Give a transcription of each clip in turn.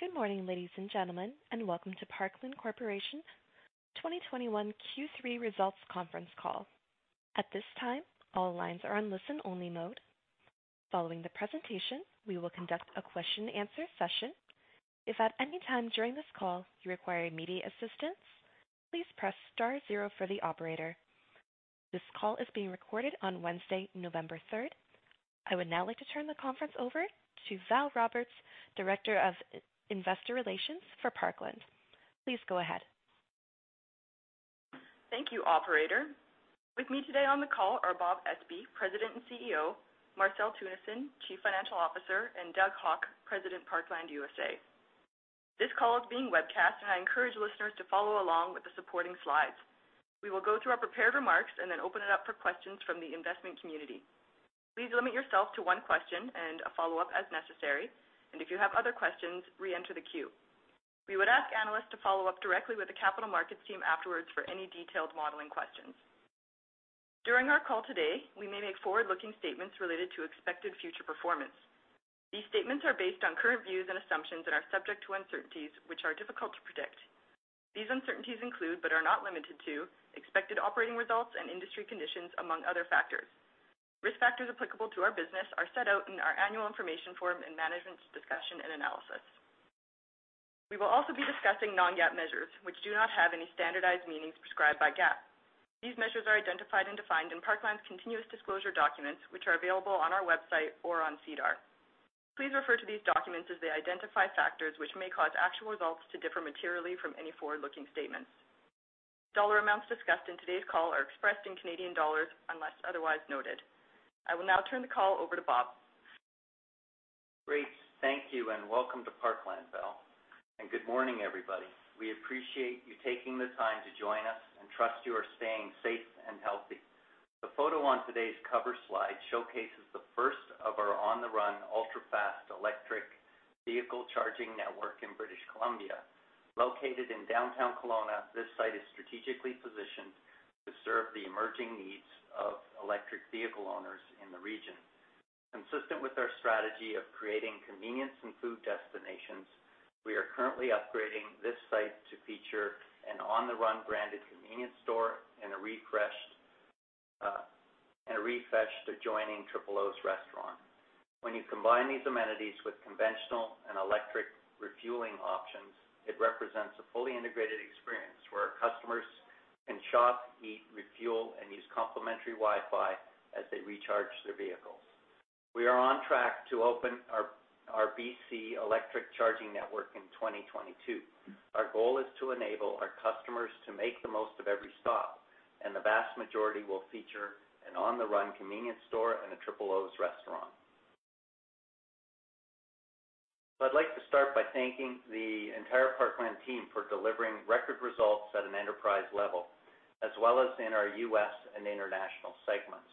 Good morning, ladies and gentlemen, and welcome to Parkland Corporation's 2021 Q3 results conference call. At this time, all lines are on listen-only mode. Following the presentation, we will conduct a question and answer session. If at any time during this call you require immediate assistance, please press star zero for the operator. This call is being recorded on Wednesday, November third. I would now like to turn the conference over to Val Roberts, Director of Investor Relations for Parkland. Please go ahead. Thank you, operator. With me today on the call are Bob Espey, President and CEO, Marcel Teunissen, Chief Financial Officer, and Doug Haugh, President, Parkland USA. This call is being webcast, and I encourage listeners to follow along with the supporting slides. We will go through our prepared remarks and then open it up for questions from the investment community. Please limit yourself to one question and a follow-up as necessary, and if you have other questions, re-enter the queue. We would ask analysts to follow up directly with the capital markets team afterwards for any detailed modeling questions. During our call today, we may make forward-looking statements related to expected future performance. These statements are based on current views and assumptions and are subject to uncertainties which are difficult to predict. These uncertainties include, but are not limited to, expected operating results and industry conditions among other factors. Risk factors applicable to our business are set out in our annual information form and management's discussion and analysis. We will also be discussing non-GAAP measures which do not have any standardized meanings prescribed by GAAP. These measures are identified and defined in Parkland's continuous disclosure documents, which are available on our website or on SEDAR. Please refer to these documents as they identify factors which may cause actual results to differ materially from any forward-looking statements. Dollar amounts discussed in today's call are expressed in Canadian dollars unless otherwise noted. I will now turn the call over to Bob. Great. Thank you and welcome to Parkland, Val, and good morning, everybody. We appreciate you taking the time to join us and trust you are staying safe and healthy. The photo on today's cover slide showcases the first of our On the Run ultra-fast electric vehicle charging network in British Columbia. Located in downtown Kelowna, this site is strategically positioned to serve the emerging needs of electric vehicle owners in the region. Consistent with our strategy of creating convenience and food destinations, we are currently upgrading this site to feature an On the Run branded convenience store and a refreshed adjoining Triple O's restaurant. When you combine these amenities with conventional and electric refueling options, it represents a fully integrated experience where our customers can shop, eat, refuel, and use complimentary Wi-Fi as they recharge their vehicles. We are on track to open our BC electric charging network in 2022. Our goal is to enable our customers to make the most of every stop, and the vast majority will feature an On the Run convenience store and a Triple O's restaurant. I'd like to start by thanking the entire Parkland team for delivering record results at an enterprise level, as well as in our U.S. and international segments.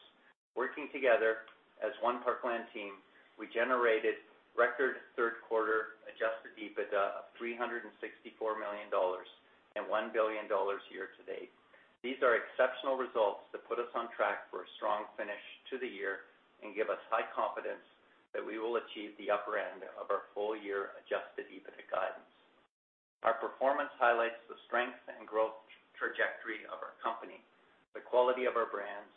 Working together as one Parkland team, we generated record third quarter adjusted EBITDA of 364 million dollars and 1 billion dollars year-to-date. These are exceptional results that put us on track for a strong finish to the year and give us high confidence that we will achieve the upper end of our full-year adjusted EBITDA guidance. Our performance highlights the strength and growth trajectory of our company, the quality of our brands,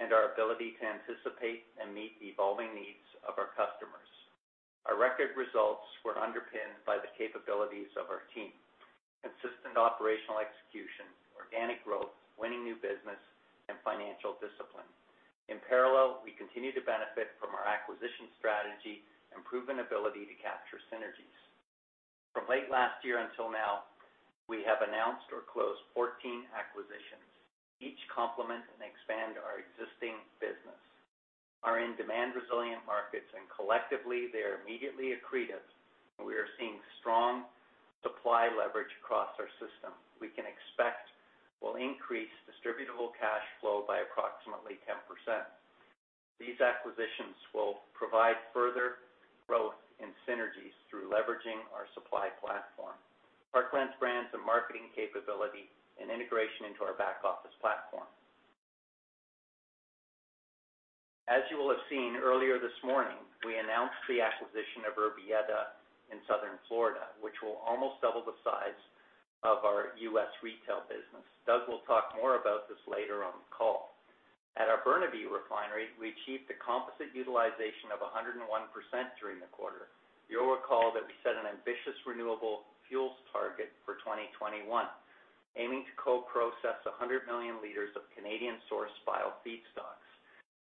and our ability to anticipate and meet the evolving needs of our customers. Our record results were underpinned by the capabilities of our team, consistent operational execution, organic growth, winning new business, and financial discipline. In parallel, we continue to benefit from our acquisition strategy and proven ability to capture synergies. From late last year until now, we have announced or closed 14 acquisitions, each complement and expand our existing business, are in demand-resilient markets, and collectively they are immediately accretive, and we are seeing strong supply leverage across our system we can expect will increase distributable cash flow by approximately 10%. These acquisitions will provide further growth in synergies through leveraging our supply platform, Parkland's brands and marketing capability and integration into our back office platform. As you will have seen earlier this morning, we announced the acquisition of Urbieta in southern Florida, which will almost double the size of our U.S. retail business. Doug will talk more about this later on the call. At our Burnaby Refinery, we achieved a composite utilization of 101% during the quarter. You'll recall that we set an ambitious renewable fuels target for 2021, aiming to co-process 100 million liters of Canadian-sourced bio feedstocks.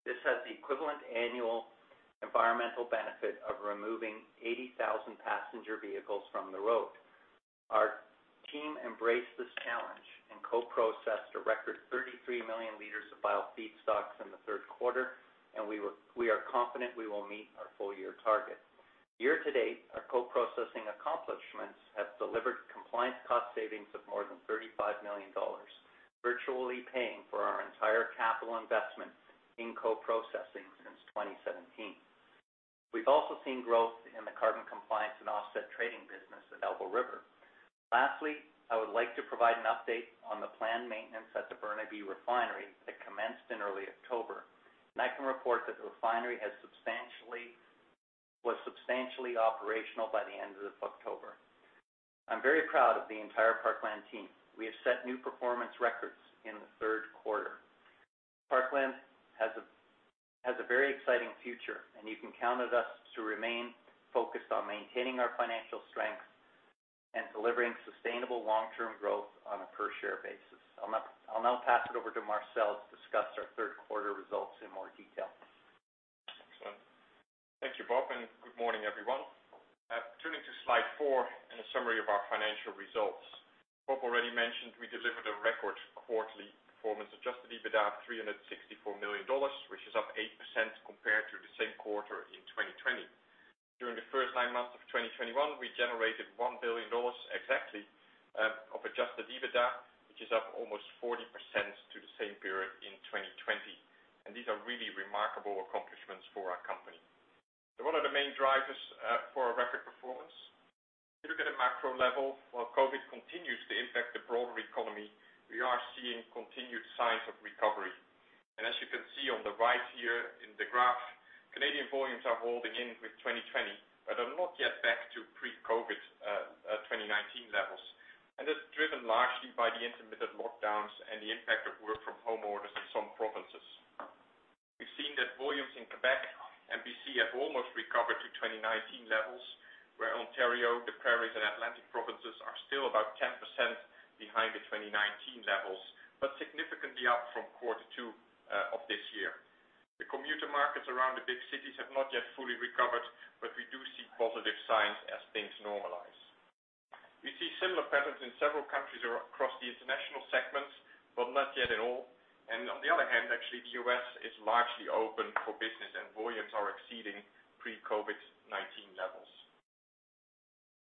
This has the equivalent annual environmental benefit of removing 80,000 passenger vehicles from the road. Our team embraced this challenge and co-processed a record 33 million liters of bio feedstocks in Q3, and we are confident we will meet our full year target. Year to date, our co-processing accomplishments have delivered compliance cost savings of more than 35 million dollars, virtually paying for our entire capital investment in co-processing since 2017. We've also seen growth in the carbon compliance and offset trading business, Elbow River. Lastly, I would like to provide an update on the planned maintenance at the Burnaby Refinery that commenced in early October. I can report that the refinery was substantially operational by the end of October. I'm very proud of the entire Parkland team. We have set new performance records in the third quarter. Parkland has a very exciting future, and you can count on us to remain focused on maintaining our financial strength and delivering sustainable long-term growth on a per-share basis. I'll now pass it over to Marcel to discuss our third quarter results in more detail. Excellent. Thank you, Bob, and good morning, everyone. Turning to slide 4 and a summary of our financial results. Bob already mentioned we delivered a record quarterly adjusted EBITDA of 364 million dollars, which is up 8% compared to the same quarter in 2020. During the first nine months of 2021, we generated 1 billion dollars exactly of adjusted EBITDA, which is up almost 40% to the same period in 2020. These are really remarkable accomplishments for our company. One of the main drivers for our record performance. If you look at a macro level, while COVID continues to impact the broader economy, we are seeing continued signs of recovery. As you can see on the right here in the graph, Canadian volumes are holding in with 2020, but are not yet back to pre-COVID, 2019 levels. That's driven largely by the intermittent lockdowns and the impact of work from home orders in some provinces. We've seen that volumes in Quebec and BC have almost recovered to 2019 levels, where Ontario, the Prairies, and Atlantic provinces are still about 10% behind the 2019 levels, but significantly up from quarter two of this year. The commuter markets around the big cities have not yet fully recovered, but we do see positive signs as things normalize. We see similar patterns in several countries across the international segments, but not yet at all. On the other hand, actually, the U.S. is largely open for business and volumes are exceeding pre-COVID-19 levels.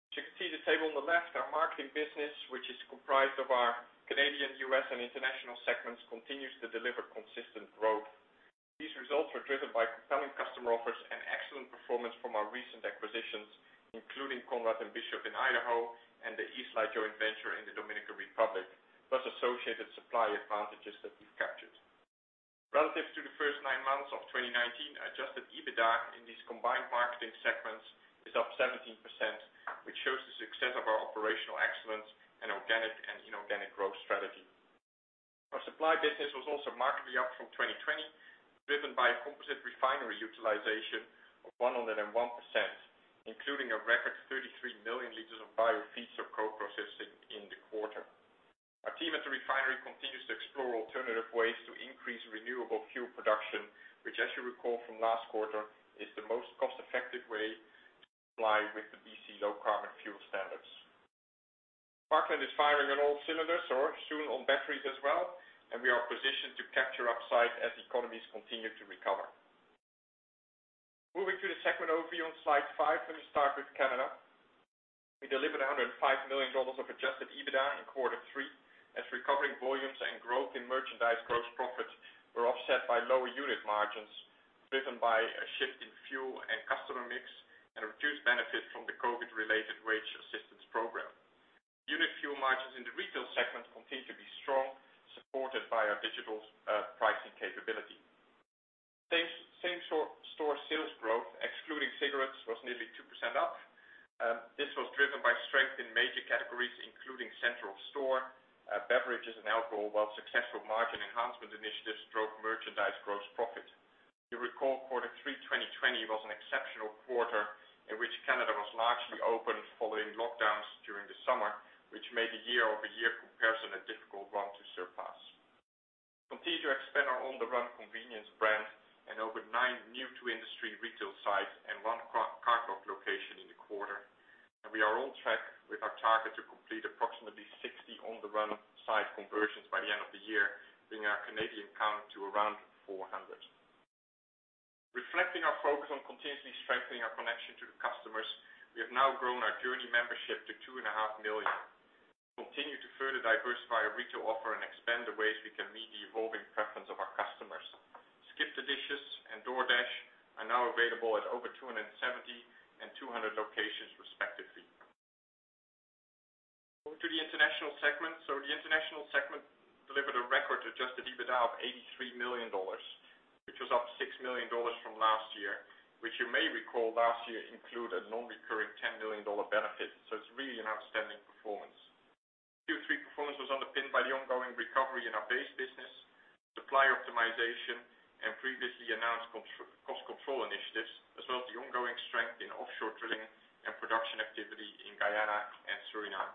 As you can see the table on the left, our marketing business, which is comprised of our Canadian, U.S., and international segments, continues to deliver consistent growth. These results are driven by compelling customer offers and excellent performance from our recent acquisitions, including Conrad & Bischoff in Idaho and the Isla joint venture in the Dominican Republic, plus associated supply advantages that we've captured. Relative to the first nine months of 2019, adjusted EBITDA in these combined marketing segments is up 17%, which shows the success of our operational excellence and organic and inorganic growth strategy. Our supply business was also markedly up from 2020, driven by a composite refinery utilization of 101%, including a record 33 million liters of bio-feedstock co-processing in the quarter. Our team at the refinery continues to explore alternative ways to increase renewable fuel production, which as you recall from last quarter, is the most cost-effective way to comply with the BC Low Carbon Fuel Standards. Parkland is firing on all cylinders or soon on batteries as well, and we are positioned to capture upside as economies continue to recover. Moving to the segment overview on slide 5. Let me start with Canada. We delivered 105 million dollars of adjusted EBITDA in quarter three, as recovering volumes and growth in merchandise gross profit were offset by lower unit margins, driven by a shift in fuel and customer mix and a reduced benefit from the COVID-related wage assistance program. Unit fuel margins in the retail segment continue to be strong, supported by our digital pricing capability. Same-store sales growth, excluding cigarettes, was nearly 2% up. This was driven by strength in major categories, including center store, beverages, and alcohol, while successful margin enhancement initiatives drove merchandise gross profit. You recall Q3 2020 was an exceptional quarter in which Canada was largely open following lockdowns during the summer, which made a year-over-year comparison a difficult one to surpass. We continue to expand our On the Run convenience brand and opened 9 new-to-industry retail sites and one Carrefour location in the quarter. We are on track with our target to complete approximately 60 On the Run site conversions by the end of the year, bringing our Canadian count to around 400. Reflecting our focus on continuously strengthening our connection to the customers, we have now grown our JOURNIE membership to 2.5 million. Continue to further diversify our retail offer and expand the ways we can meet the evolving preference of our customers. SkipTheDishes and DoorDash are now available at over 270 and 200 locations, respectively. Over to the international segment. The international segment delivered a record adjusted EBITDA of 83 million dollars, which was up 6 million dollars from last year, which you may recall last year included a non-recurring 10 million dollar benefit. It's really an outstanding performance. Q3 performance was underpinned by the ongoing recovery in our base business, supply optimization, and previously announced cost control initiatives, as well as the ongoing strength in offshore drilling and production activity in Guyana and Suriname.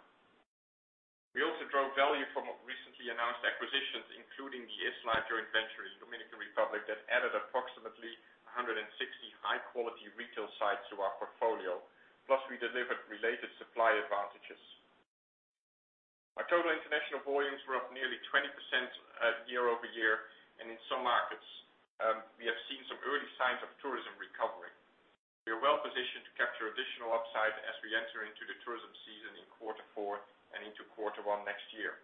We also drove value from our recently announced acquisitions, including the Isla joint venture in Dominican Republic that added approximately 160 high-quality retail sites to our portfolio. Plus, we delivered related supply advantages. Our total international volumes were up nearly 20%, year over year. In some markets, we have seen some early signs of tourism recovery. We are well-positioned to capture additional upside as we enter into the tourism season in quarter four and into quarter one next year.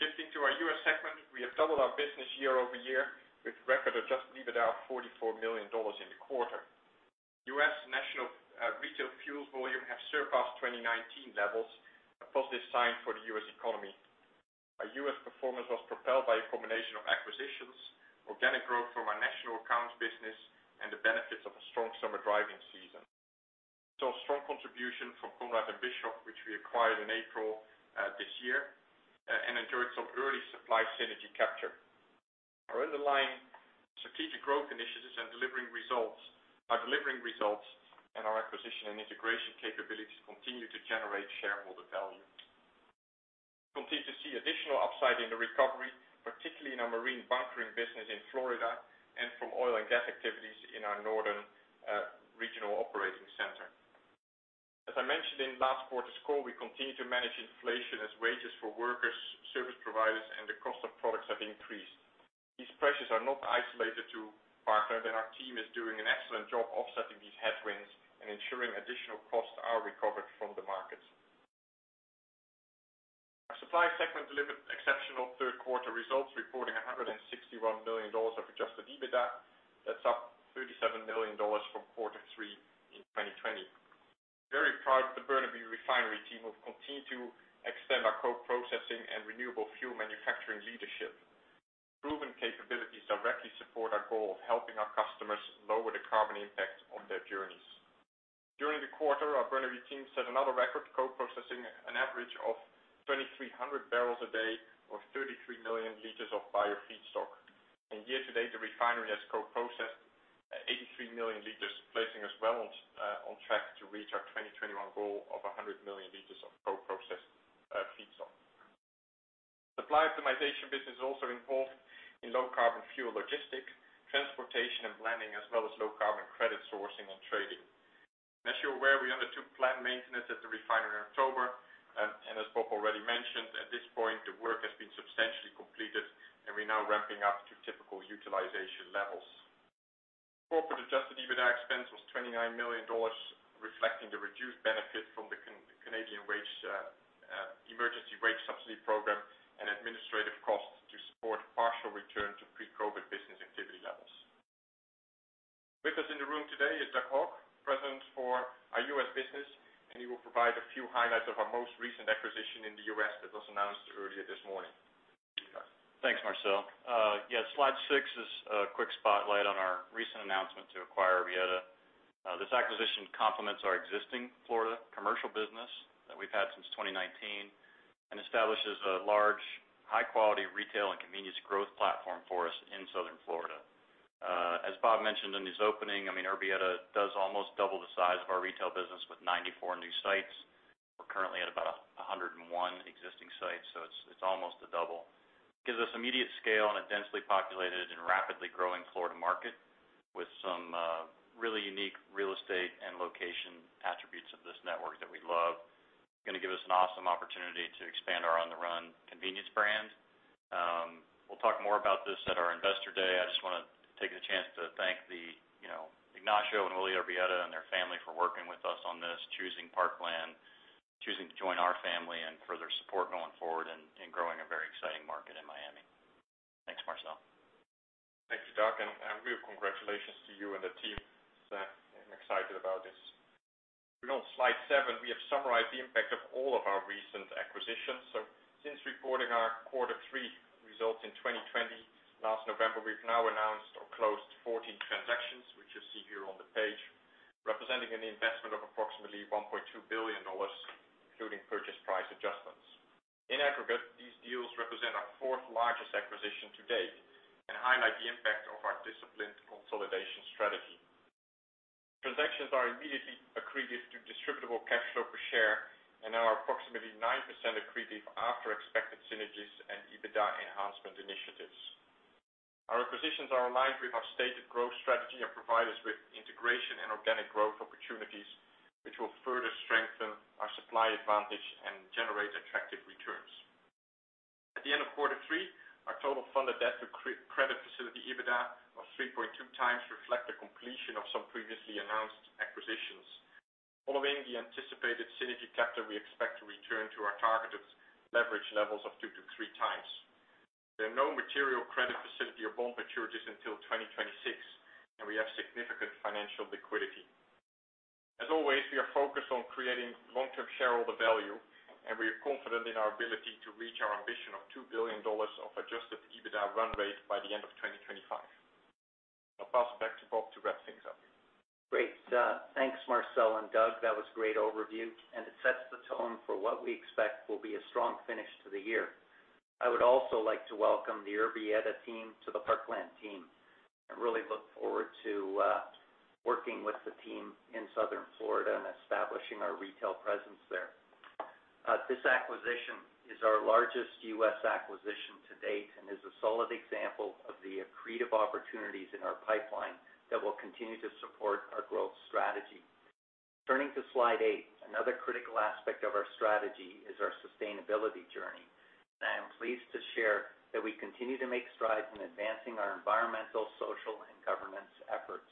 Shifting to our U.S. segment, we have doubled our business year-over-year with record adjusted EBITDA of $44 million in the quarter. U.S. national retail fuels volume have surpassed 2019 levels, a positive sign for the U.S. economy. Our U.S. performance was propelled by a combination of acquisitions, organic growth from our national accounts business, and the benefits of a strong summer driving season. We saw strong contribution from Conrad & Bischoff, which we acquired in April this year, and enjoyed some early supply synergy capture. Our underlying strategic growth initiatives are delivering results and our acquisition and integration capabilities continue to generate shareholder value. We continue to see additional upside in the recovery, particularly in our marine bunkering business in Florida and from oil and gas activities in our northern regional operating center. As I mentioned in last quarter's call, we continue to manage inflation, as wages for workers, service providers, and the cost of products have increased. These pressures are not isolated to Parkland, and our team is doing an excellent job offsetting these headwinds and ensuring additional costs are recovered from the markets. Our supply segment delivered exceptional Q3 results, reporting 161 million dollars of adjusted EBITDA. That's up 37 million dollars from quarter three in 2020. Very proud of the Burnaby Refinery team who have continued to extend our co-processing and renewable fuel manufacturing leadership. Proven capabilities directly support our goal of helping our customers lower the carbon impact on their journeys. During the quarter, our Burnaby team set another record, co-processing an average of 2,300 barrels a day or 33 million liters of bio-feedstock. Year-to-date, the refinery has co-processed 83 million liters, placing us well on track to reach our 2021 goal of 100 million liters of co-processed feedstock. Supply optimization business is also involved in low carbon fuel logistics, transportation and planning, as well as low carbon credit sourcing and trading. As you're aware, we undertook planned maintenance at the refinery in October, and as Bob already mentioned, at this point, the work has been substantially completed and we're now ramping up to typical utilization levels. Corporate adjusted EBITDA expense was 29 million dollars, reflecting the reduced benefit from the Canadian Emergency Wage Subsidy program and administrative costs to support partial return to pre-COVID business activity levels. With us in the room today is Doug Haugh, President for our U.S. business, and he will provide a few highlights of our most recent acquisition in the U.S. that was announced earlier this morning. Doug. Thanks, Marcel. Yeah, slide six is a quick spotlight on our recent announcement to acquire Urbieta. This acquisition complements our existing Florida commercial business that we've had since 2019, and establishes a large, high-quality retail and convenience growth platform for us in Southern Florida. As Bob mentioned in his opening, I mean, Urbieta does almost double the size of our retail business with 94 new sites. We're currently at about 101 existing sites, so it's almost a double. Gives us immediate scale in a densely populated and rapidly growing Florida market with some really unique real estate and location attributes of this network that we love. Gonna give us an awesome opportunity to expand our On the Run convenience brand. We'll talk more about this at our Investor Day. I just wanna take the chance to thank the, you know, Ignacio and Julian Urbieta and their family for working with us on this, choosing Parkland, choosing to join our family, and for their support going forward in growing a very exciting market in Miami. Thanks, Marcel. Thank you, Doug, and real congratulations to you and the team. I'm excited about this. We're on slide 7. We have summarized the impact of all of our recent acquisitions. Since reporting our quarter three results in 2020 last November, we've now announced or closed 14 transactions, which you see here on the page, representing an investment of approximately 1.2 billion dollars, including purchase price adjustments. In aggregate, these deals represent our fourth largest acquisition to date and highlight the impact of our disciplined consolidation strategy. Transactions are immediately accretive to distributable cash flow per share and are approximately 9% accretive after expected synergies and EBITDA enhancement initiatives. Our acquisitions are aligned with our stated growth strategy and provide us with integration and organic growth opportunities, which will further strengthen our supply advantage and generate attractive returns. At the end of quarter three, our total funded debt to credit facility EBITDA of 3.2 times reflect the completion of some previously announced acquisitions. Following the anticipated synergy capture, we expect to return to our targeted leverage levels of 2-3 times. There are no material credit facility or bond maturities until 2026, and we have significant financial liquidity. As always, we are focused on creating long-term shareholder value, and we are confident in our ability to reach our ambition of 2 billion dollars of adjusted EBITDA run rate by the end of 2025. I'll pass it back to Bob to wrap things up. Great. Thanks, Marcel and Doug. That was a great overview, and it sets the tone for what we expect will be a strong finish to the year. I would also like to welcome the Urbieta team to the Parkland team. I really look forward to working with the team in South Florida and establishing our retail presence there. This acquisition is our largest U.S. acquisition to date and is a solid example of the accretive opportunities in our pipeline that will continue to support our growth strategy. Turning to slide 8, another critical aspect of our strategy is our sustainability journey. I am pleased to share that we continue to make strides in advancing our environmental, social, and governance efforts.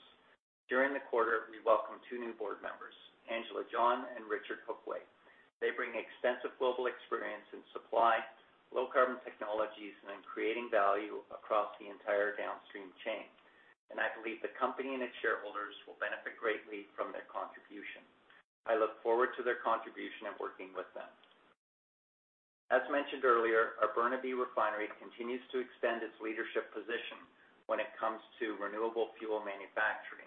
During the quarter, we welcomed 2 new board members, Angela John and Richard Hookway. They bring extensive global experience in supply, low-carbon technologies, and in creating value across the entire downstream chain. I believe the company and its shareholders will benefit greatly from their contribution. I look forward to their contribution and working with them. As mentioned earlier, our Burnaby Refinery continues to extend its leadership position when it comes to renewable fuel manufacturing.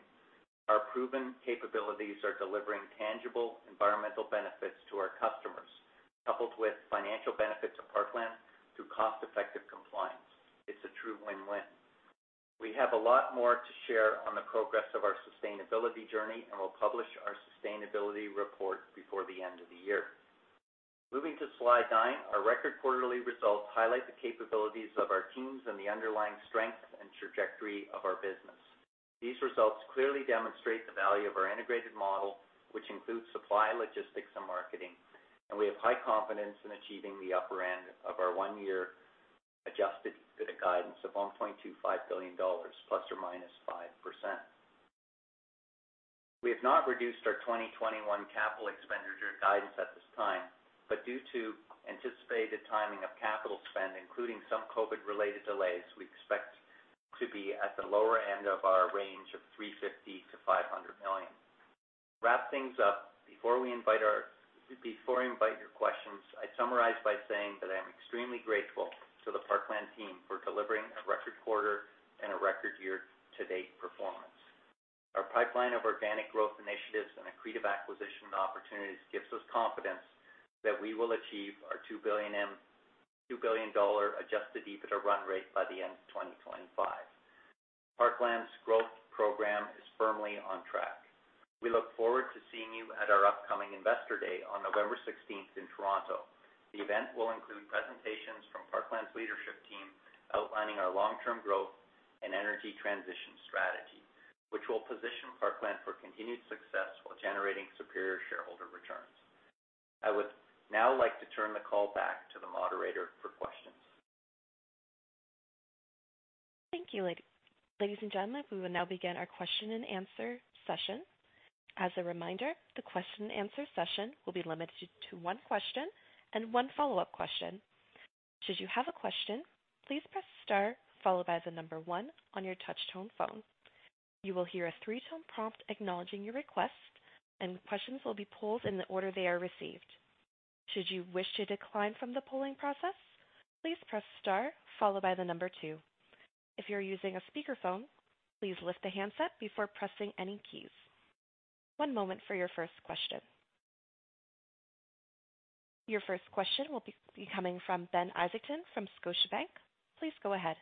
Our proven capabilities are delivering tangible environmental benefits to our customers, coupled with financial benefits to Parkland through cost-effective compliance. It's a true win-win. We have a lot more to share on the progress of our sustainability journey, and we'll publish our sustainability report before the end of the year. Moving to slide nine. Our record quarterly results highlight the capabilities of our teams and the underlying strength and trajectory of our business. These results clearly demonstrate the value of our integrated model, which includes supply, logistics, and marketing, and we have high confidence in achieving the upper end of our one-year adjusted EBITDA guidance of CAD 1.25 billion ±5%. We have not reduced our 2021 capital expenditure guidance at this time, but due to anticipated timing of capital spend, including some COVID-related delays, we expect to be at the lower end of our range of 350 million-500 million. To wrap things up before we invite your questions, I summarize by saying that I am extremely grateful to the Parkland team for delivering a record quarter and a record year-to-date performance. Our pipeline of organic growth initiatives and accretive acquisition opportunities gives us confidence that we will achieve our 2 billion adjusted EBITDA run rate by the end of 2025. Parkland's growth program is firmly on track. We look forward to seeing you at our upcoming Investor Day on November 16 in Toronto. The event will include presentations from Parkland's leadership team, outlining our long-term growth and energy transition strategy, which will position Parkland for continued success while generating superior shareholder returns. I would now like to turn the call back to the moderator for questions. Thank you. Ladies and gentlemen, we will now begin our question-and-answer session. As a reminder, the question-and-answer session will be limited to one question and one follow-up question. Should you have a question, please press star followed by the number 1 on your touch-tone phone. You will hear a 3-tone prompt acknowledging your request, and questions will be polled in the order they are received. Should you wish to decline from the polling process, please press star followed by the number 2. If you're using a speakerphone, please lift the handset before pressing any keys. One moment for your first question. Your first question will be coming from Ben Isaacson from Scotiabank. Please go ahead.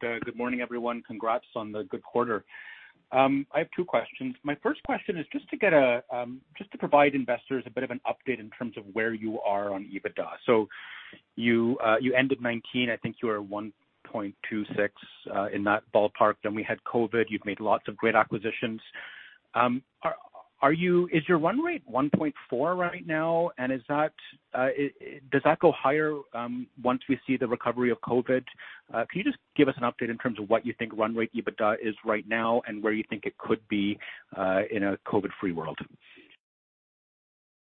Good morning, everyone. Congrats on the good quarter. I have two questions. My first question is just to provide investors a bit of an update in terms of where you are on EBITDA. You ended 2019, I think you were 1.26 in that ballpark. Then we had COVID. You've made lots of great acquisitions. Is your run rate 1.4 right now? And does that go higher once we see the recovery of COVID? Can you just give us an update in terms of what you think run rate EBITDA is right now and where you think it could be in a COVID-free world?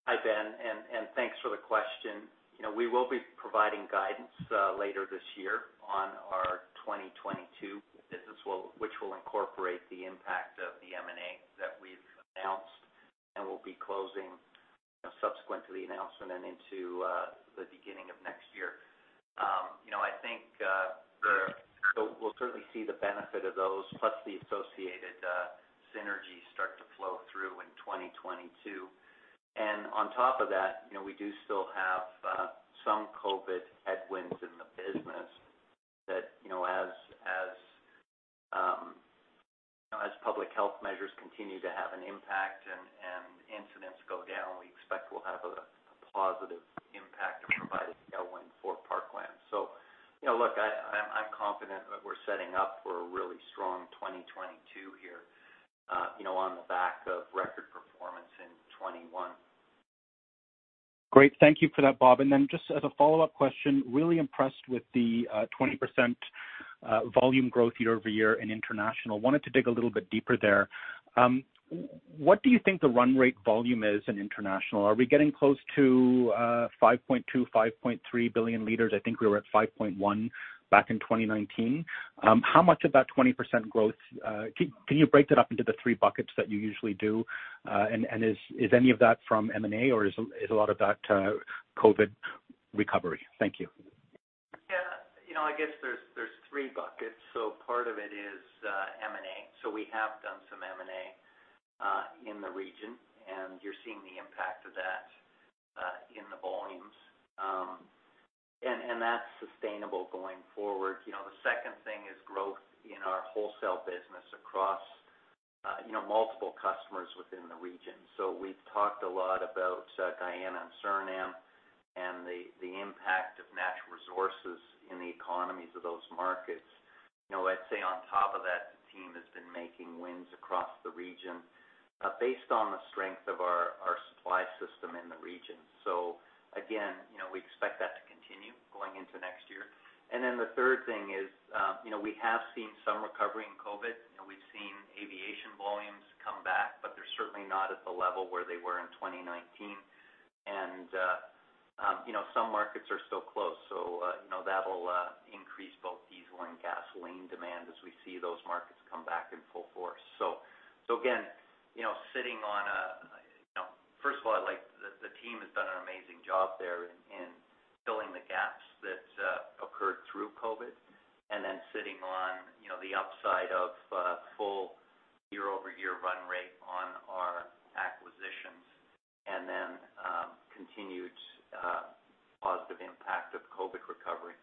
Hi, Ben, and thanks for the question. You know, we will be providing guidance later this year on our 2022 business which will incorporate the impact of the M&A that we've announced and will be closing, you know, subsequent to the announcement and into the beginning of next year. You know, I think we'll certainly see the benefit of those, plus the associated synergies start to flow through in 2022. You know, we do still have some COVID headwinds in the business that, you know, as public health measures continue to have an impact and incidents go down, we expect we'll have a positive impact of providing tailwind for Parkland. You know, look, I'm confident that we're setting up for a really strong 2022 here, you know, on the back of record performance in 2021. Great. Thank you for that, Bob. Then just as a follow-up question, really impressed with the 20% volume growth year-over-year in international. Wanted to dig a little bit deeper there. What do you think the run rate volume is in international? Are we getting close to 5.2, 5.3 billion liters? I think we were at 5.1 back in 2019. How much of that 20% growth can you break that up into the three buckets that you usually do? And is any of that from M&A or is a lot of that COVID recovery? Thank you. Yeah. You know, I guess there's three buckets. Part of it is M&A. We have done some M&A in the region, and you're seeing the impact of that in the volumes. And that's sustainable going forward. You know, the second thing is growth in our wholesale business across multiple customers within the region. We've talked a lot about Guyana and Suriname and the impact of natural resources in the economies of those markets. You know, I'd say on top of that, the team has been making wins across the region based on the strength of our supply system in the region. So again, you know, we expect that to continue going into next year. The third thing is, you know, we have seen some recovery in COVID, and we've seen aviation volumes come back, but they're certainly not at the level where they were in 2019. Some markets are still closed, so you know, that'll increase both diesel and gasoline demand as we see those markets come back in full force. Again, you know, the team has done an amazing job there in filling the gaps that occurred through COVID, and then sitting on, you know, the upside of full year-over-year run rate on our acquisitions, and then continued positive impact of COVID recovery.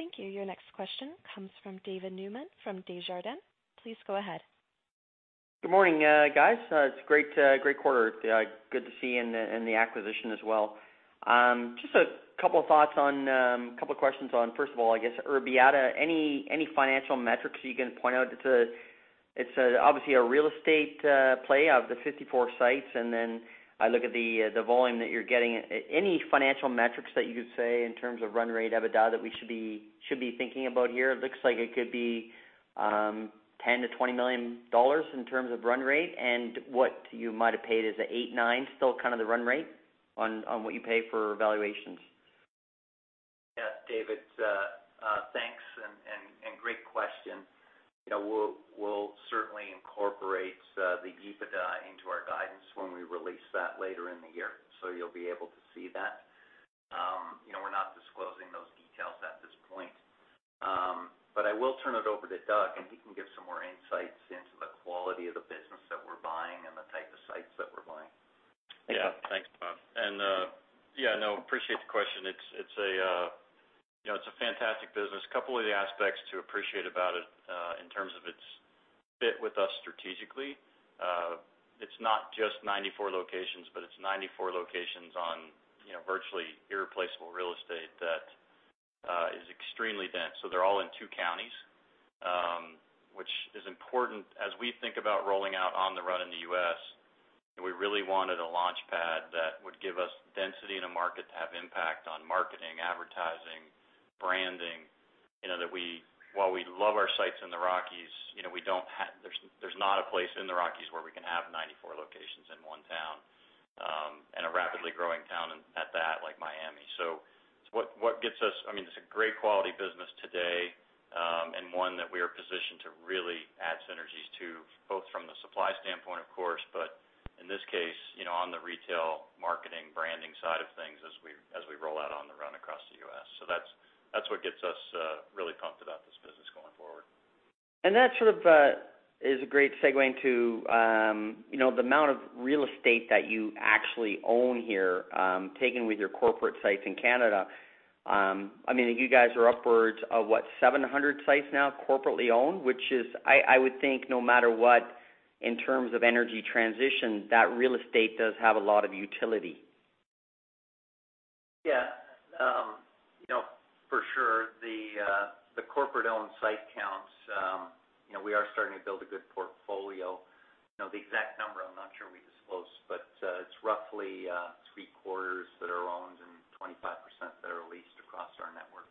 Thank you. Your next question comes from David Newman from Desjardins. Please go ahead. Good morning, guys. It's great quarter. Good to see you and the acquisition as well. Just a couple of thoughts on couple questions on, first of all, I guess Urbieta. Any financial metrics you can point out? It's obviously a real estate play of the 54 sites, and then I look at the volume that you're getting. Any financial metrics that you could say in terms of run rate, EBITDA, that we should be thinking about here? It looks like it could be $10 million-$20 million in terms of run rate, and what you might have paid, is it 8-9, still kind of the run rate on what you pay for valuations? Yes, David, thanks and great question. You know, we'll certainly incorporate the EBITDA into our guidance when we release that later in the year, so you'll be able to see that. You know, we're not disclosing those details at this point. I will turn it over to Doug, and he can give some more insights into the quality of the business that we're buying and the type of sites that we're buying. Yeah. Thanks, Bob. Yeah, no, appreciate the question. It's a, you know, it's a fantastic business. Couple of the aspects to appreciate about it in terms of its fit with us strategically. It's not just 94 locations, but it's 94 locations on, you know, virtually irreplaceable real estate that is extremely dense. They're all in two counties, which is important as we think about rolling out On the Run in the U.S., and we really wanted a launchpad that would give us density in a market to have impact on marketing, advertising, branding. You know, while we love our sites in the Rockies, you know, we don't. There's not a place in the Rockies where we can have 94 locations in one town, and a rapidly growing town at that, like Miami. What gets us? I mean, it's a great quality business today, and one that we are positioned to really add synergies to, both from the supply standpoint, of course, but in this case, you know, on the retail, marketing, branding side of things as we roll out On the Run across the U.S. That's what gets us really pumped about this business going forward. That sort of is a great segue into, you know, the amount of real estate that you actually own here, taken with your corporate sites in Canada. I mean, you guys are upwards of what, 700 sites now corporately owned, which is, I would think no matter what in terms of energy transition, that real estate does have a lot of utility. Yeah. You know, for sure the corporate-owned site counts, you know, we are starting to build a good portfolio. You know, the exact number, I'm not sure we disclose, but it's roughly three-quarters that are owned and 25% that are leased across our network.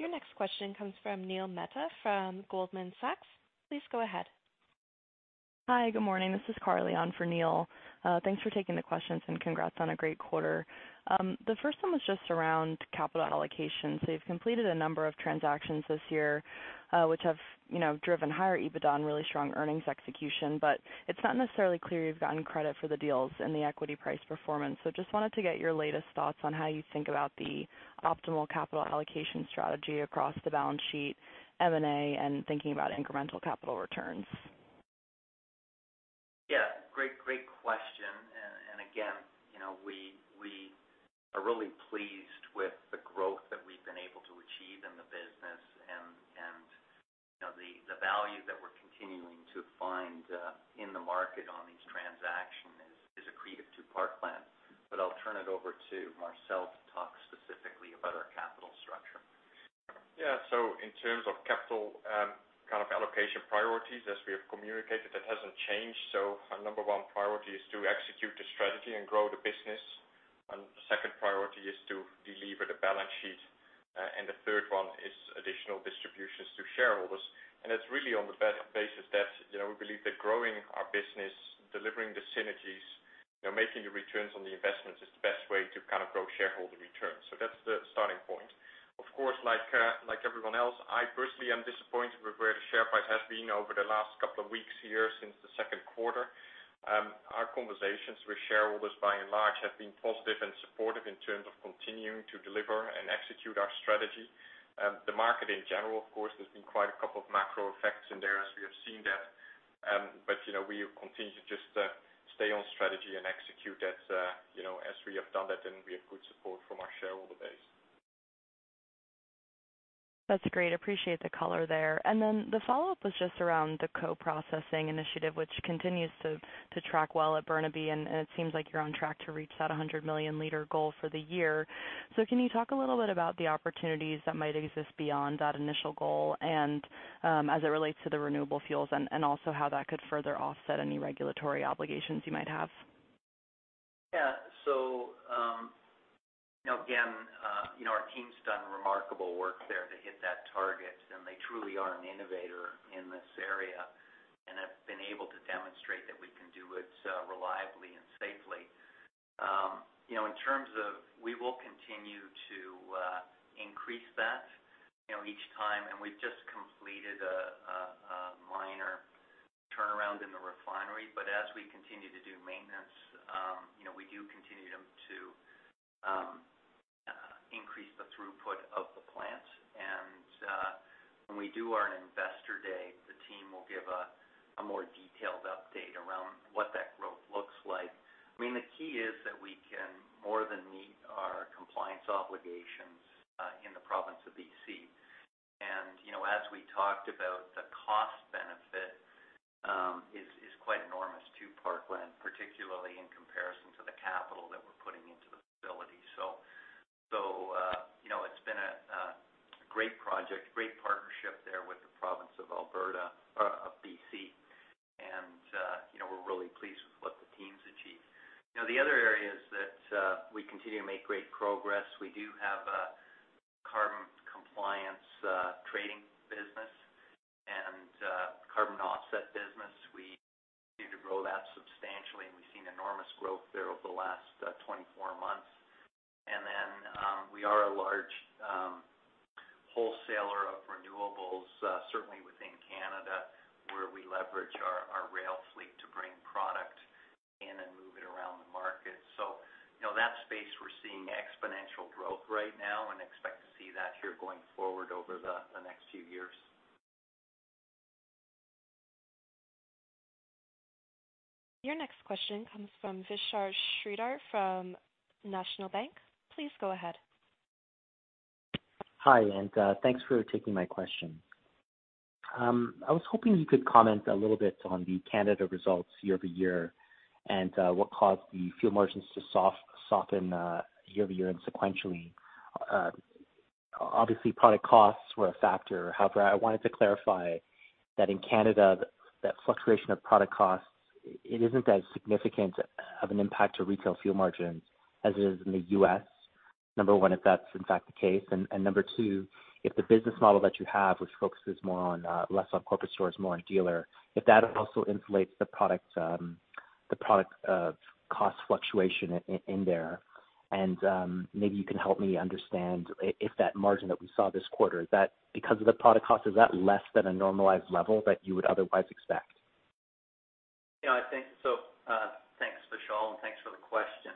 Your next question comes from Neil Mehta from Goldman Sachs. Please go ahead. Hi, good morning. This is Carly on for Neil. Thanks for taking the questions, and congrats on a great quarter. The first one was just around capital allocation. You've completed a number of transactions this year, which have, you know, driven higher EBITDA and really strong earnings execution. It's not necessarily clear you've gotten credit for the deals in the equity price performance. Just wanted to get your latest thoughts on how you think about the optimal capital allocation strategy across the balance sheet, M&A, and thinking about incremental capital returns. Yeah. Great question. Again, you know, we are really pleased with the growth that we've been able to achieve in the business and, you know, the value that we're continuing to find in the market on these transactions is accretive to Parkland. But I'll turn it over to Marcel to talk specifically about our capital structure. Yeah. In terms of capital, kind of allocation priorities, as we have communicated, that hasn't changed. Our number one priority is to execute the strategy and grow the business. The second priority is to de-lever the balance sheet. The third one is additional distributions to shareholders. It's really on the basis that, you know, we believe that growing our business, delivering the synergies, you know, making the returns on the investments is the best way to kind of grow shareholder returns. That's the starting point. Of course, like everyone else, I personally am disappointed with where the share price has been over the last couple of weeks here since Q2. Our conversations with shareholders, by and large, have been positive and supportive in terms of continuing to deliver and execute our strategy. The market in general, of course, there's been quite a couple of macro effects in there as we have seen that. You know, we continue to just stay on strategy and execute as you know as we have done that, and we have good support from our shareholder base. That's great. Appreciate the color there. The follow-up was just around the co-processing initiative, which continues to track well at Burnaby, and it seems like you're on track to reach that 100 million liter goal for the year. Can you talk a little bit about the opportunities that might exist beyond that initial goal and, as it relates to the renewable fuels, and also how that could further offset any regulatory obligations you might have? You know, again, you know, our team's done remarkable work there to hit that target, and they truly are an innovator in this area, and have been able to demonstrate that we can do it reliably and safely. You know, in terms of we will continue to increase that, you know, each time, and we've just completed a minor turnaround in the refinery. As we continue to do maintenance, you know, we do continue to increase the throughput of the plant. When we do our Investor Day, the team will give a more detailed update around what that growth looks like. I mean, the key is that we can more than meet our compliance obligations in the province of BC. You know, as we talked about, the cost benefit is quite enormous to Parkland, particularly in comparison to the capital that we're putting into the facility. You know, it's been a great project, great partnership there with the province of BC. You know, we're really pleased with what the team's achieved. Now, the other areas that we continue to make great progress, we do have a carbon compliance trading business and carbon offset business. We continue to grow that substantially, and we've seen enormous growth there over the last 24 months. We are a large wholesaler of renewables certainly within Canada, where we leverage our rail fleet to bring product in and move it around the market. You know, that space, we're seeing exponential growth right now and expect to see that here going forward over the next few years. Your next question comes from Vishal Shreedhar from National Bank. Please go ahead. Hi, thanks for taking my question. I was hoping you could comment a little bit on the Canada results year over year, and what caused the fuel margins to soften year over year and sequentially. Obviously product costs were a factor. However, I wanted to clarify that in Canada, that fluctuation of product costs, it isn't as significant of an impact to retail fuel margins as it is in the U.S. Number one, if that's in fact the case. Number two, if the business model that you have, which focuses more on less on corporate stores, more on dealer, if that also insulates the product, the product cost fluctuation in there. Maybe you can help me understand if that margin that we saw this quarter is because of the product cost, is that less than a normalized level that you would otherwise expect? Yeah, I think so. Thanks, Vishal, and thanks for the question.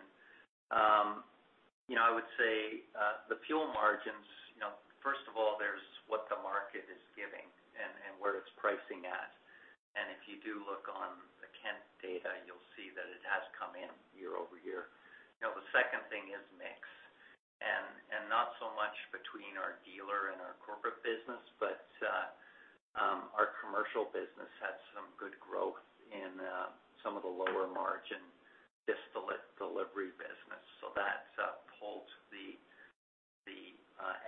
You know, I would say the fuel margins, you know, first of all, there's what the market is giving and where it's pricing at. If you do look on the Kent data, you'll see that it has come in year over year. You know, the second thing is mix. Not so much between our dealer and our corporate business, but our commercial business had some good growth in some of the lower margin distillate delivery business. That's pulled the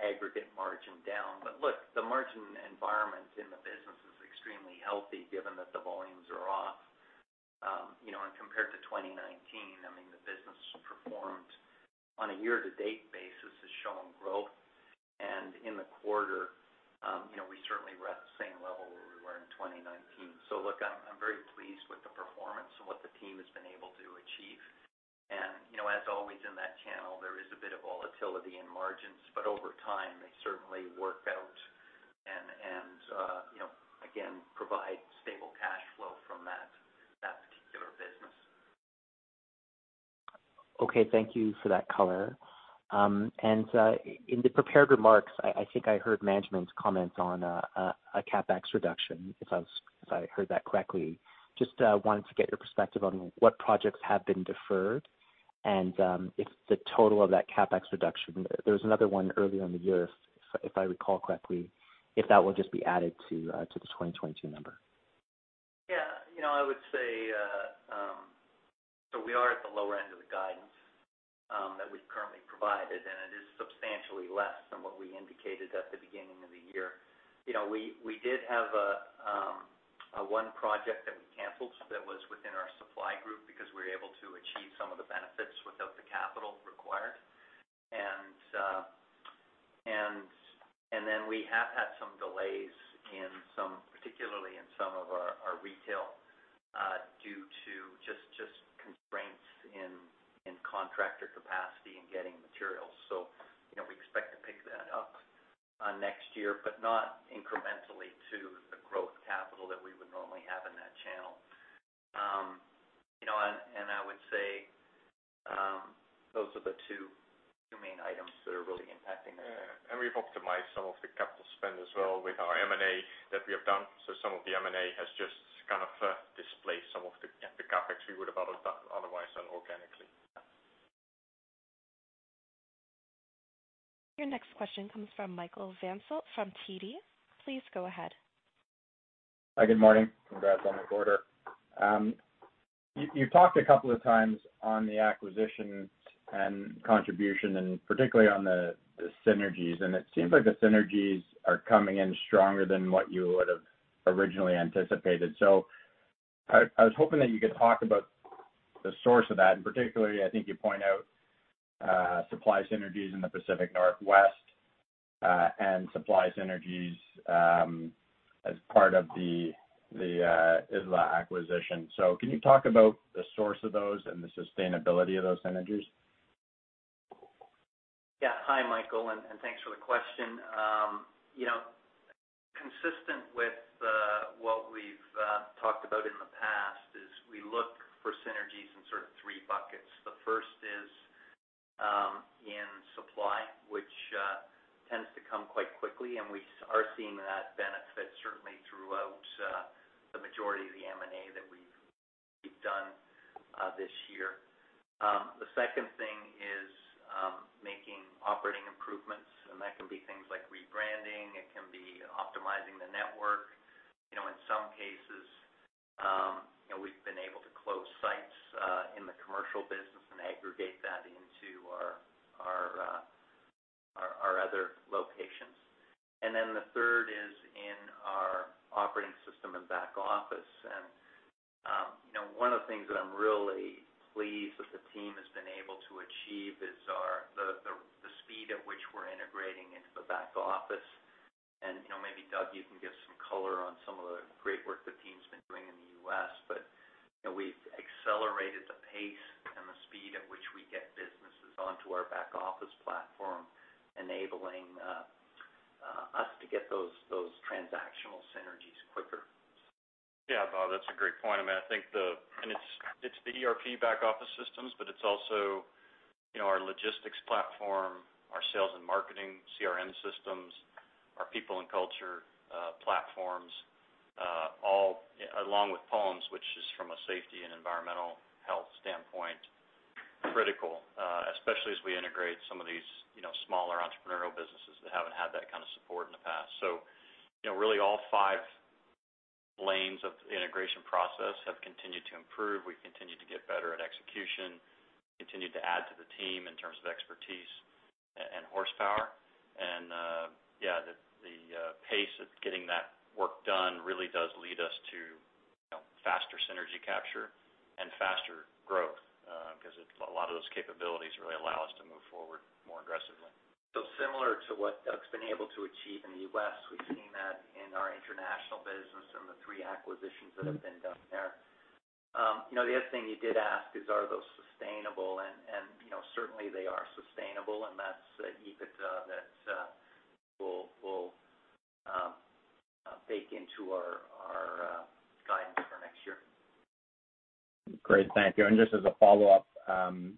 aggregate margin down. Look, the margin environment in the business is extremely healthy, given that the volumes are off. You know, compared to 2019, I mean, the business performed on a year to date basis has shown growth. In the quarter, you know, we certainly were at the same level where we were in 2019. Look, I'm very pleased with the performance and what the team has been able to achieve. You know, as always in that channel, there is a bit of volatility in margins, but over time, they certainly work out and, you know, again, provide stable cash flow from that particular business. Okay. Thank you for that color. In the prepared remarks, I think I heard management's comment on a CapEx reduction, if I heard that correctly. Just wanted to get your perspective on what projects have been deferred, and if the total of that CapEx reduction, there was another one earlier in the year, if I recall correctly, if that will just be added to the 2022 number. Yeah. You know, I would say, so we are at the lower end of the guidance that we've currently provided, and it is substantially less than what we indicated at the beginning of the year. You know, we did have a one project that we canceled that was within our supply group because we were able to achieve some of the benefits without the capital required. We have had some delays, particularly in some of our retail, due to just constraints in contractor capacity and getting materials. You know, we expect to pick that up next year, but not incrementally to the growth capital that we would normally have in that channel. You know, I would say those are the two main items that are really impacting that. We've optimized some of the capital spend as well with our M&A that we have done. Some of the M&A has just kind of displaced some of the CapEx we would have otherwise done organically. Yeah. Your next question comes from Michael Van Aelst from TD. Please go ahead. Hi, good morning. Congrats on the quarter. You talked a couple of times on the acquisition and contribution, and particularly on the synergies. It seems like the synergies are coming in stronger than what you would have originally anticipated. I was hoping that you could talk about the source of that, and particularly, I think you point out supply synergies in the Pacific Northwest, and supply synergies as part of the Isla acquisition. Can you talk about the source of those and the sustainability of those synergies? Yeah. Hi, Michael, and thanks for the question. You know, consistent with what we've talked about in the past is we look for synergies in sort of three buckets. The first is in supply, which tends to come quite quickly, and we are seeing that benefit certainly throughout the majority of the M&A that we've done this year. The second thing is making operating improvements, and that can be things like rebranding, it can be optimizing the network. You know, in some cases, you know, we've been able to close sites in the commercial business and aggregate that into our other locations. The third is in our operating system and back office. You know, one of the things that I'm really pleased that the team has been able to achieve is the speed at which we're integrating into the back office. You know, maybe Doug, you can give some color on some of the great work the team's been doing in the U.S., but you know, we've accelerated the pace and the speed at which we get businesses onto our back office platform, enabling us to get those transactional synergies quicker. Yeah. Bob, that's a great point. I mean, I think it's the ERP back office systems, but it's also, you know, our logistics platform, our sales and marketing CRM systems, our people and culture platforms, all along with POEMS, which is from a safety and environmental health standpoint, critical, especially as we integrate some of these, you know, smaller entrepreneurial businesses that haven't had that kind of support in the past. You know, really all five lanes of the integration process have continued to improve. We've continued to get better at execution, continued to add to the team in terms of expertise and horsepower. The pace of getting that work done really does lead us to, you know, faster synergy capture and faster growth, 'cause a lot of those capabilities really allow us to move forward more aggressively. Similar to what Doug's been able to achieve in the U.S., we've seen that in our international business from the three acquisitions that have been done there. The other thing you did ask is, are those sustainable? Certainly they are sustainable, and that's the EBITDA that we'll bake into our guidance for next year. Great. Thank you. Just as a follow-up, can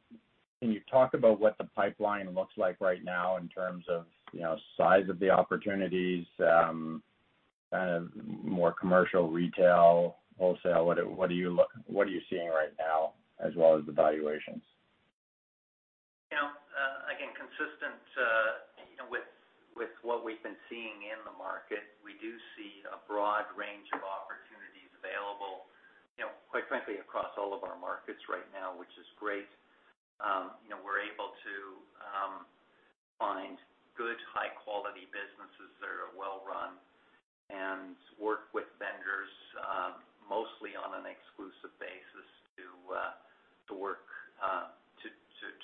you talk about what the pipeline looks like right now in terms of, you know, size of the opportunities, more commercial, retail, wholesale? What are you seeing right now, as well as the valuations? You know, again, consistent, you know, with what we've been seeing in the market, we do see a broad range of opportunities available, you know, quite frankly, across all of our markets right now, which is great. You know, we're able to find good, high quality businesses that are well run and work with vendors, mostly on an exclusive basis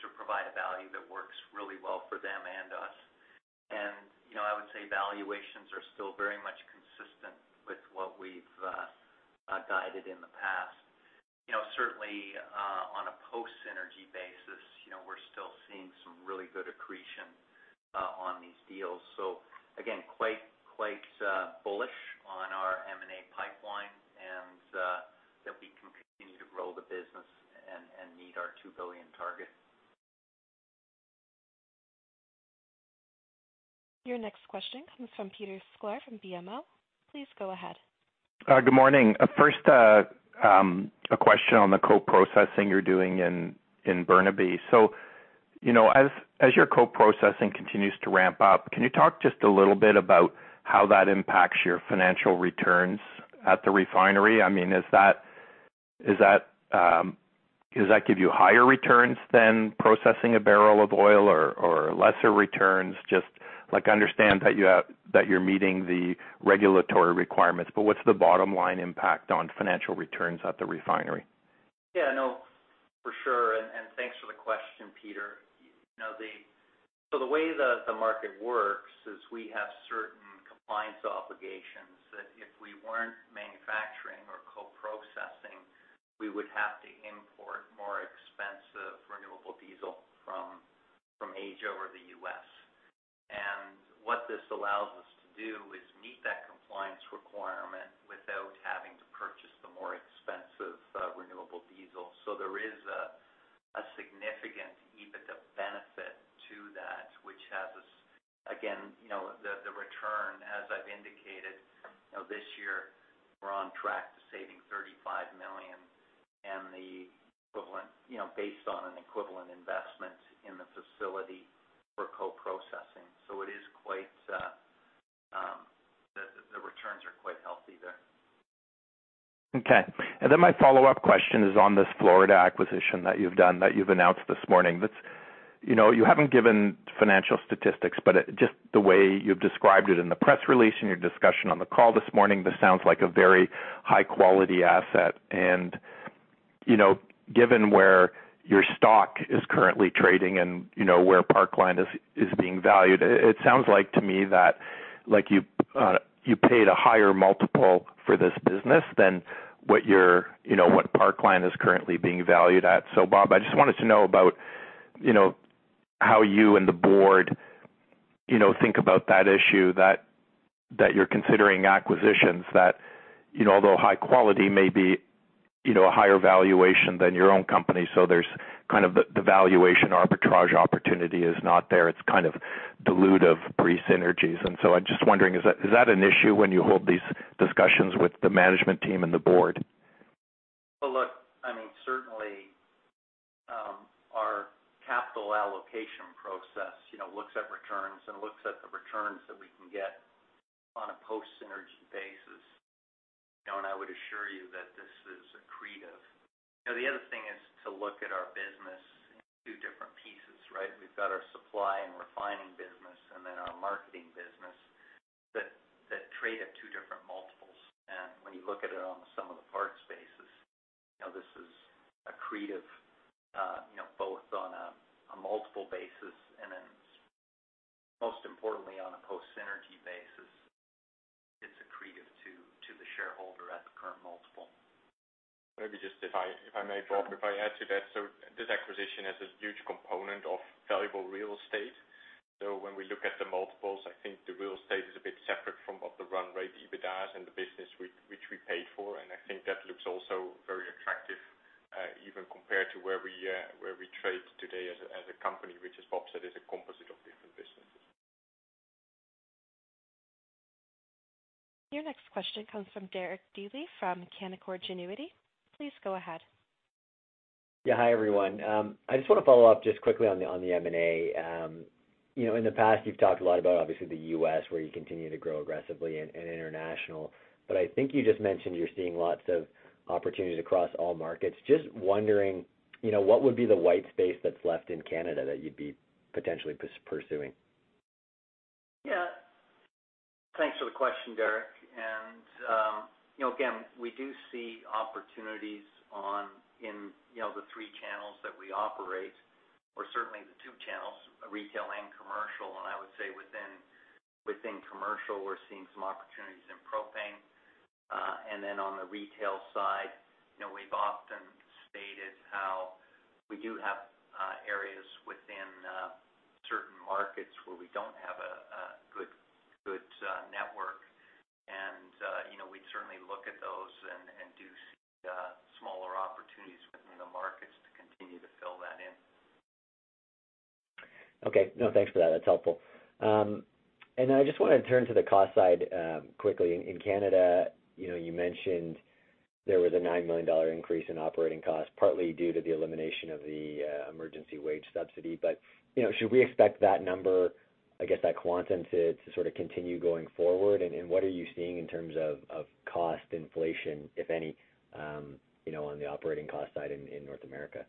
to provide a value that works really well for them and us. You know, I would say valuations are still very much consistent with what we've guided in the past. You know, certainly, on a post-synergy basis, you know, we're still seeing some really good accretion, on these deals. Again, quite bullish on our M&A pipeline, and that we can continue to grow the business and meet our 2 billion target. Your next question comes from Peter Sklar from BMO. Please go ahead. Good morning. First, a question on the co-processing you're doing in Burnaby. You know, as your co-processing continues to ramp up, can you talk just a little bit about how that impacts your financial returns at the refinery? I mean, does that give you higher returns than processing a barrel of oil or lesser returns? Just to understand that you're meeting the regulatory requirements, but what's the bottom line impact on financial returns at the refinery? Yeah, no, for sure. Thanks for the question, Peter. You know, the way the market works is we have certain compliance obligations that if we weren't manufacturing or co-processing, we would have to import more expensive renewable diesel from Asia or the U.S. What this allows us to do is meet that compliance requirement without having to purchase the more expensive renewable diesel. There is a significant EBITDA benefit to that which has us, again, you know, the return, as I've indicated, you know, this year we're on track to saving 35 million and the equivalent, you know, based on an equivalent investment in the facility for co-processing. It is quite the returns are quite healthy there. Okay. My follow-up question is on this Florida acquisition that you've done, that you've announced this morning. That's. You know, you haven't given financial statistics, but it's just the way you've described it in the press release and your discussion on the call this morning, this sounds like a very high quality asset. And, you know, given where your stock is currently trading and, you know, where Parkland is being valued, it sounds like to me that, like, you paid a higher multiple for this business than what your, you know, what Parkland is currently being valued at. Bob, I just wanted to know about, you know, how you and the board, you know, think about that issue that you're considering acquisitions that, you know, although high quality may be, you know, a higher valuation than your own company, so there's kind of the valuation arbitrage opportunity is not there. It's kind of dilutive pre-synergies. I'm just wondering, is that an issue when you hold these discussions with the management team and the board? Well, look, I mean, certainly, our capital allocation process, you know, looks at returns and looks at the returns that we can get on a post-synergy basis. You know, I would assure you that this is accretive. You know, the other thing is to look at our business in two different pieces, right? We've got our supply and refining business and then our marketing business that trade at two different multiples. When you look at it on the sum of the parts basis, you know, this is accretive, both on a multiple basis and then most importantly, on a post-synergy basis. It's accretive to the shareholder at the current multiple. Maybe just if I may, Bob, if I add to that. This acquisition has this huge component of valuable real estate. When we look at the multiples, I think the real estate is a bit separate from what the run rate EBITDAs and the business which we paid for. I think that looks also very attractive, even compared to where we trade today as a company, which as Bob said, is a composite of different businesses. Your next question comes from Derek Dley from Canaccord Genuity. Please go ahead. Yeah. Hi, everyone. I just wanna follow up just quickly on the M&A. You know, in the past you've talked a lot about obviously the U.S. where you continue to grow aggressively in international, but I think you just mentioned you're seeing lots of opportunities across all markets. Just wondering, you know, what would be the white space that's left in Canada that you'd be potentially pursuing? Yeah. Thanks for the question, Derek. You know, again, we do see opportunities in the three channels that we operate, or certainly the two channels, retail and commercial. I would say within commercial we're seeing some opportunities in propane. Then on the retail side, you know, we've often stated how we do have areas within certain markets where we don't have a good network. You know, we'd certainly look at those and do see smaller opportunities within the markets to continue to fill that in. Okay. No, thanks for that. That's helpful. And then I just wanna turn to the cost side quickly. In Canada, you know, you mentioned there was a 9 million dollar increase in operating costs, partly due to the elimination of the emergency wage subsidy. But, you know, should we expect that number, I guess, that quantum to sort of continue going forward? What are you seeing in terms of cost inflation, if any, you know, on the operating cost side in North America?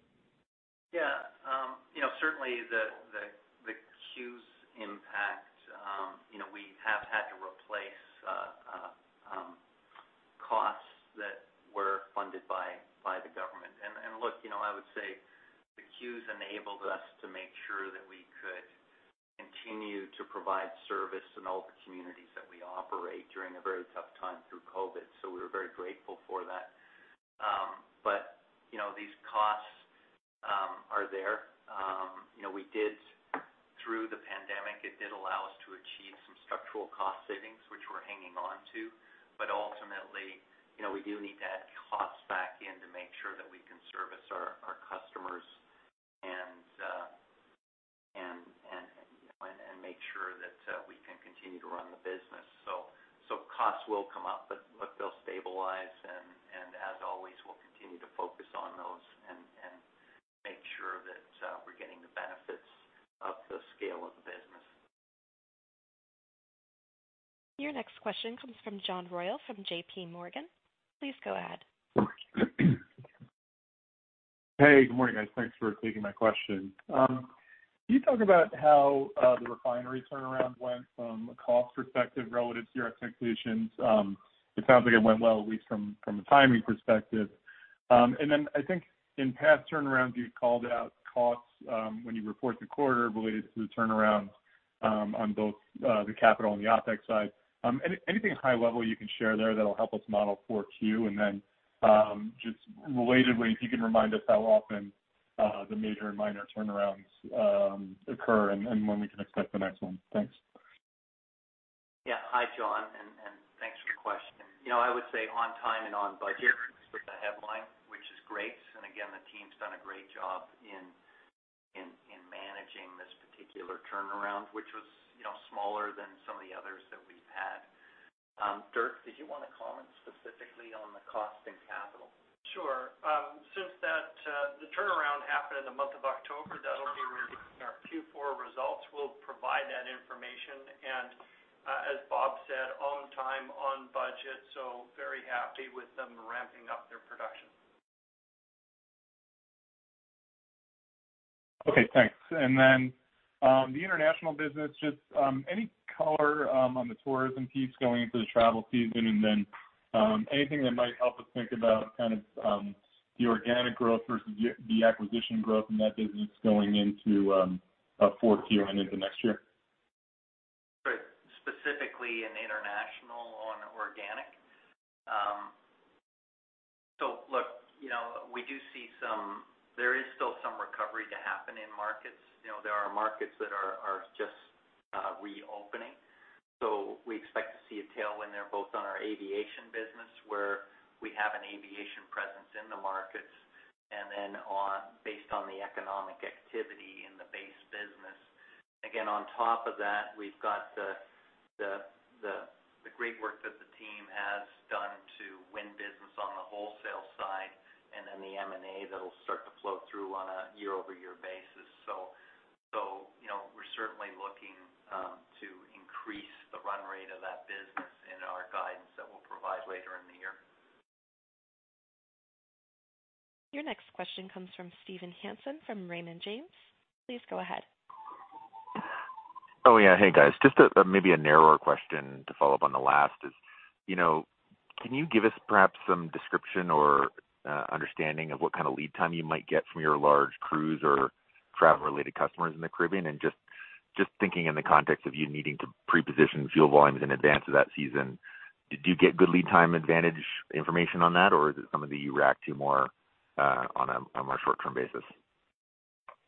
You know, certainly the CEWS impact, you know, we have had to replace costs that were funded by the government. Look, you know, I would say the CEWS enabled us to make sure that we could continue to provide service in all the communities that we operate during a very tough time through COVID. We were very grateful for that. You know, these costs are there. You know, through the pandemic, it did allow us to achieve some structural cost savings, which we're hanging on to, but ultimately, you know, we do need to add costs back in to make sure that we can service our customers and make sure that we can continue to run the business. Costs will come up, but look, they'll stabilize and as always, we'll continue to focus on those and make sure that we're getting the benefits of the scale of the business. Your next question comes from John Royall from JPMorgan. Please go ahead. Hey, good morning, guys. Thanks for taking my question. Can you talk about how the refinery turnaround went from a cost perspective relative to your expectations? It sounds like it went well, at least from a timing perspective. I think in past turnarounds, you'd called out costs when you report the quarter related to the turnaround on both the capital and the OpEx side. Anything high level you can share there that'll help us model for Q? Just relatedly, if you can remind us how often the major and minor turnarounds occur and when we can expect the next one. Thanks. Yeah. Hi, John, and thanks for your question. You know, I would say on time and on budget is the headline, which is great. Again, the team's done a great job in managing this particular turnaround, which was, you know, smaller than some of the others that we've had. Marcel, did you wanna comment specifically on the cost implications? Sure, since that, the turnaround happened in the month of October, that'll be revealed in our Q4 results. We'll provide that information. As Bob said, on time, on budget, so very happy with them ramping up their production. Okay, thanks. The international business, just, any color on the tourism piece going into the travel season? Anything that might help us think about kind of, the organic growth versus the acquisition growth in that business going into fourth Q and into next year? Sure. Specifically in international on organic. So look, you know, we do see some there is still some recovery to happen in markets. You know, there are markets that are just reopening. We expect to see a tailwind there, both on our aviation business, where we have an aviation presence in the markets. And then on, based on the economic activity in the base business. Again, on top of that, we've got the great work that the team has done to win business on the wholesale side, and then the M&A that'll start to flow through on a year-over-year basis. You know, we're certainly looking to increase the run rate of that business in our guidance that we'll provide later in the year. Your next question comes from Steven Hansen from Raymond James. Please go ahead. Oh, yeah. Hey, guys. Just maybe a narrower question to follow up on the last is, you know, can you give us perhaps some description or understanding of what kind of lead time you might get from your large cruise or travel-related customers in the Caribbean? Just thinking in the context of you needing to pre-position fuel volumes in advance of that season, do you get good lead time advantage information on that? Or is it something you react to more on a more short-term basis?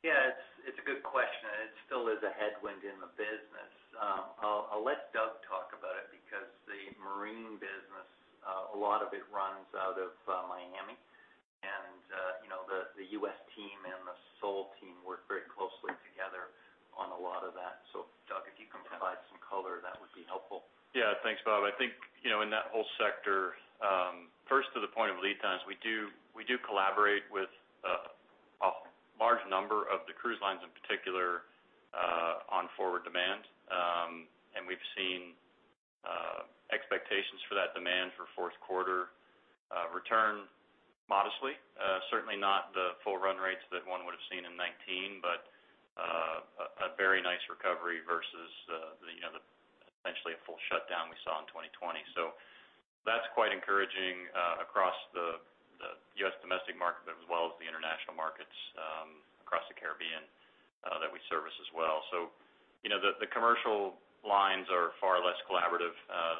Yeah. It's a good question, and it still is a headwind in the business. I'll let Doug talk about it because the marine business, a lot of it runs out of Miami. You know, the U.S. team and the Sol team work very closely together on a lot of that. Doug, if you can provide some color, that would be helpful. Yeah. Thanks, Bob. I think, you know, in that whole sector, first to the point of lead times, we do collaborate with a large number of the cruise lines in particular on forward demand. We've seen expectations for that demand for fourth quarter return modestly. Certainly not the full run rates that one would've seen in 2019, but a very nice recovery versus you know, the essentially a full shutdown we saw in 2020. That's quite encouraging across the U.S. domestic market, as well as the international markets across the Caribbean that we service as well. You know, the commercial lines are far less collaborative.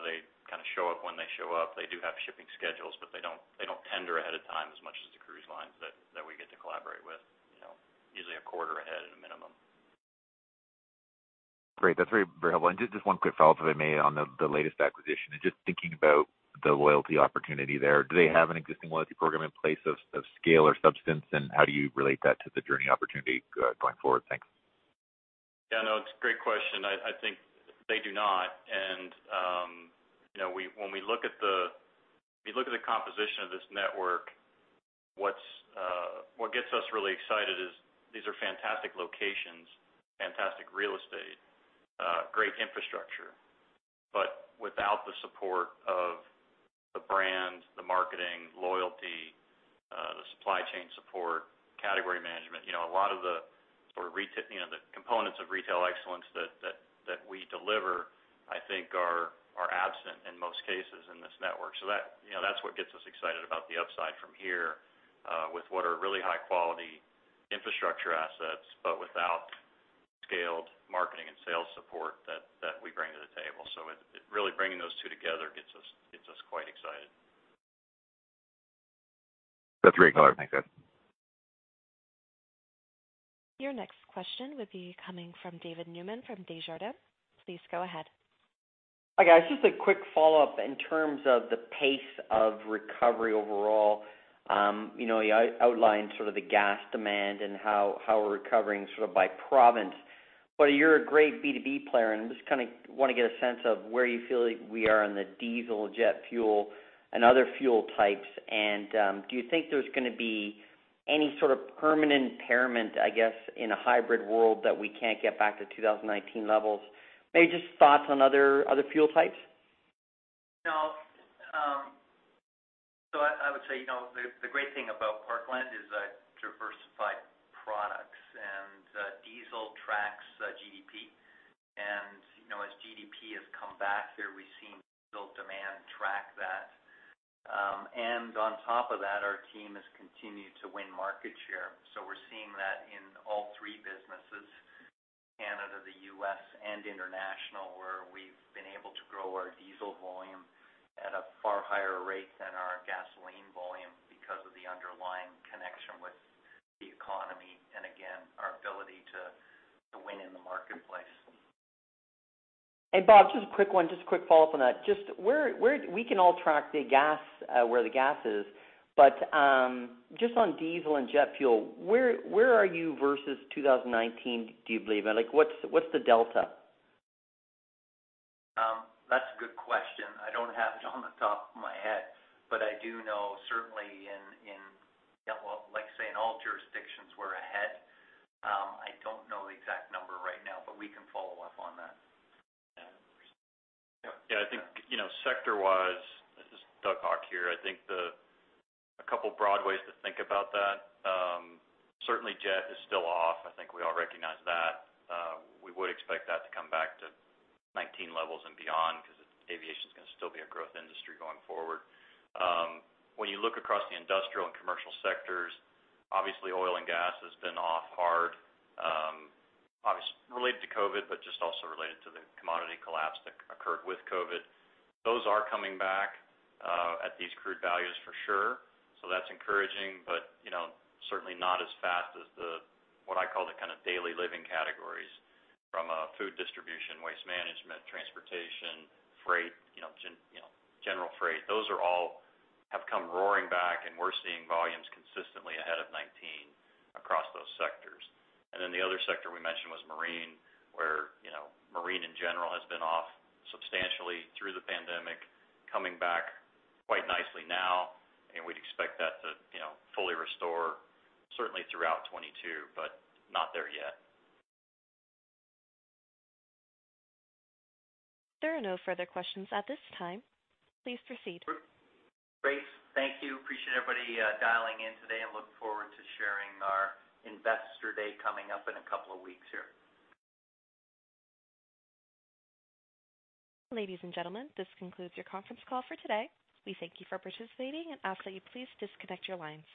They kind of show up when they show up. They do have shipping schedules, but they don't tender ahead of time as much as the cruise lines that we get to collaborate with, you know, usually a quarter ahead at a minimum. Great. That's very, very helpful. Just one quick follow-up, if I may, on the latest acquisition and just thinking about the loyalty opportunity there. Do they have an existing loyalty program in place of scale or substance? And how do you relate that to the JOURNIE opportunity, going forward? Thanks. Yeah, no, it's a great question. I think they do not. You know, when we look at the, if you look at the composition of this network, what gets us really excited is these are fantastic locations, fantastic real estate, great infrastructure. But without the support of the brand, the marketing, loyalty, the supply chain support, category management, you know, a lot of you know, the components of retail excellence that we deliver, I think are absent in most cases in this network. That's what gets us excited about the upside from here with what are really high quality infrastructure assets, but without scaled marketing and sales support that we bring to the table. It really bringing those two together gets us quite excited. That's great color. Thanks, guys. Your next question would be coming from David Newman from Desjardins. Please go ahead. Hi, guys. Just a quick follow-up in terms of the pace of recovery overall. You know, you outlined sort of the gas demand and how we're recovering sort of by province. But you're a great B2B player, and I'm just kind of wanna get a sense of where you feel like we are on the diesel, jet fuel, and other fuel types. Do you think there's gonna be any sort of permanent impairment, I guess, in a hybrid world that we can't get back to 2019 levels? Maybe just thoughts on other fuel types. No. I would say, you know, the great thing about Parkland is diversified products. Diesel tracks GDP. You know, as GDP has come back here, we've seen diesel demand track that. On top of that, our team has continued to win market share. We're seeing that in all three businesses, Canada, the U.S., and international, where we've been able to grow our diesel volume at a far higher rate than our gasoline volume because of the underlying connection with the economy, and again, our ability to win in the marketplace. Bob, just a quick one, just a quick follow-up on that. Just where we can all track the gas, where the gas is, but just on diesel and jet fuel, where are you versus 2019, do you believe? Like, what's the delta? That's a good question. I don't have it on the top of my head. I do know certainly in yeah, well, like I say, in all jurisdictions we're ahead. I don't know the exact number right now, but we can follow up on that. Yeah. Yeah, I think, you know, sector-wise, this is Doug Haugh here. I think, a couple broad ways to think about that, certainly jet is still off. I think we all recognize that. We would expect that to come back to 2019 levels and beyond 'cause aviation's gonna still be a growth industry going forward. When you look across the industrial and commercial sectors, obviously oil and gas has been off hard, related to COVID, but just also related to the commodity collapse that occurred with COVID. Those are coming back at these crude values for sure, so that's encouraging, but, you know, certainly not as fast as the, what I call the kind of daily living categories. From a food distribution, waste management, transportation, freight, you know, general freight, those are all have come roaring back, and we're seeing volumes consistently ahead of 2019 across those sectors. Then the other sector we mentioned was marine, where, you know, marine in general has been off substantially through the pandemic, coming back quite nicely now, and we'd expect that to, you know, fully restore certainly throughout 2022, but not there yet. There are no further questions at this time. Please proceed. Great. Thank you. I appreciate everybody dialing in today and I look forward to sharing our Investor Day coming up in a couple of weeks here. Ladies and gentlemen, this concludes your conference call for today. We thank you for participating and ask that you please disconnect your lines.